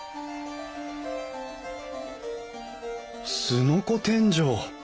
すのこ天井！